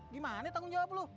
gimana tanggung jawab lu